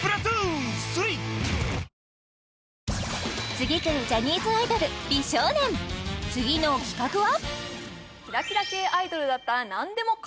次くるジャニーズアイドル美少年次の企画は？